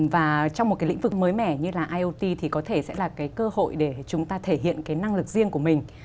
và trong một lĩnh vực mới mẻ như iot thì có thể sẽ là cơ hội để chúng ta thể hiện năng lực riêng của mình